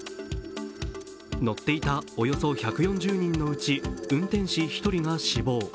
乗っていたおよそ１４０人のうち運転士１人が死亡。